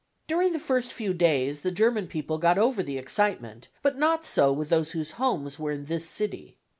During the first few days the German people got over the excitement, but not so with those whose homes were in this city.